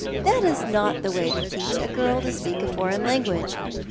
That is not the way to teach a girl to speak a foreign language.